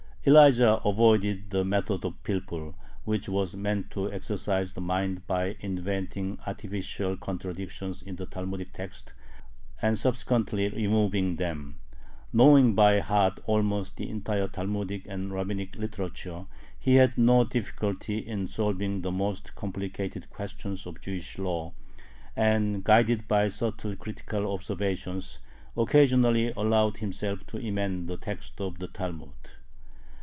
Elijah avoided the method of pilpul, which was meant to exercise the mind by inventing artificial contradictions in the Talmudic text and subsequently removing them. Knowing by heart almost the entire Talmudic and rabbinic literature, he had no difficulty in solving the most complicated questions of Jewish law, and, guided by subtle critical observations, occasionally allowed himself to emend the text of the Talmud.